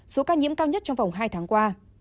số ca nhiễm cao nhất trong vòng hai tháng qua